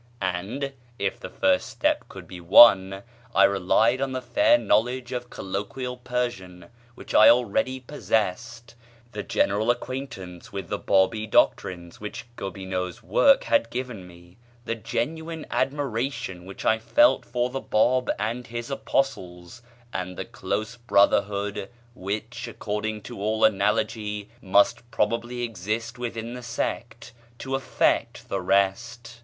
And, if the first step could be won, I relied on the fair knowledge of colloquial Persian which I already possessed, the general acquaintance with the Bábí doctrines [page xiii] which Gobineau's work had given me, the genuine admiration which I felt for the Báb and his apostles, and the close brotherhood which, according to all analogy, must probably exist within the sect, to effect the rest.